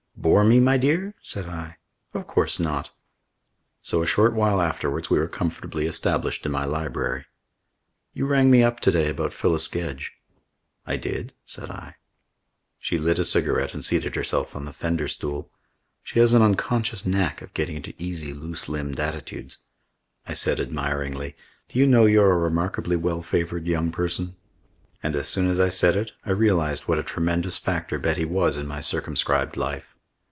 "Bore me, my dear?" said I. "Of course not." So a short while afterwards we were comfortably established in my library. "You rang me up to day about Phyllis Gedge." "I did," said I. She lit a cigarette and seated herself on the fender stool. She has an unconscious knack of getting into easy, loose limbed attitudes. I said admiringly: "Do you know you're a remarkably well favoured young person?" And as soon as I said it, I realised what a tremendous factor Betty was in my circumscribed life.